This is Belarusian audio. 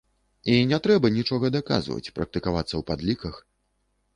І не трэба нічога даказваць, практыкавацца ў падліках.